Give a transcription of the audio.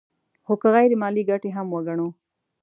خو که غیر مالي ګټې هم وګڼو